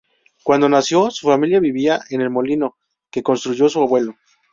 Cuando nació, su familia vivía en el molino que construyó su abuelo.